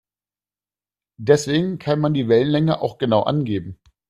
Deswegen kann man die Wellenlänge auch genau angeben.